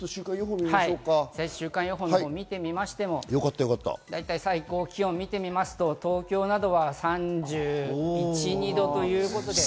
週間予報を見てみましても、最高気温を見ると、東京などは３１度３２度ということで。